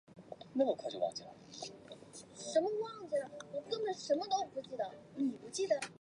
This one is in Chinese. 他的言论在印度引发强烈不满。